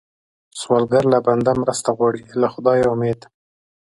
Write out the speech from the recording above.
سوالګر له بنده مرسته غواړي، له خدایه امید